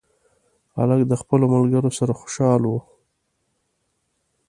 هلک د خپلو ملګرو سره خوشحاله و.